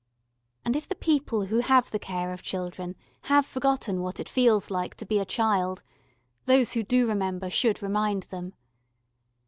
And if the people who have the care of children have forgotten what it feels like to be a child, those who do remember should remind them.